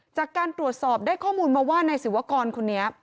จากการตรวจสอบได้ข้อมูลมาว่านายศิวากรคนนี้